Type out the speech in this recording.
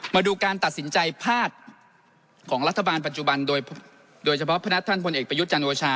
มาดูการตัดสินใจพลาดของรัฐบาลปัจจุบันโดยเฉพาะพนักท่านพลเอกประยุทธ์จันทร์โอชา